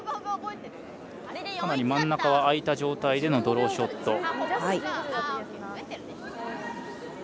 かなり真ん中は空いた状態でのドローショット。